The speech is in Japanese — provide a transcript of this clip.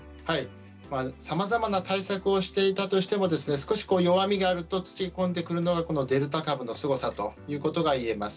さまざまな対策をしていたとしても少し弱みがあるとつけ込んでくるのがこのデルタ株のすごさといえます。